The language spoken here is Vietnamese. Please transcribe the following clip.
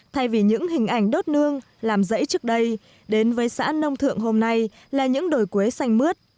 thay vì những hình ảnh đốt nương làm rẫy trước đây đến với xã nông thượng hôm nay là những đồi quế xanh mướt